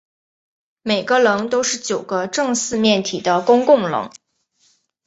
每个棱都是九个正四面体的公共棱。